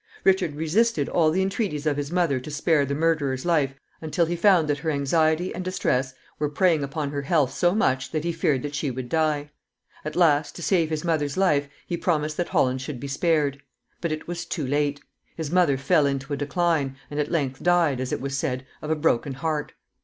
Richard resisted all the entreaties of his mother to spare the murderer's life until he found that her anxiety and distress were preying upon her health so much that he feared that she would die. At last, to save his mother's life, he promised that Holland should be spared. But it was too late. His mother fell into a decline, and at length died, as it was said, of a broken heart.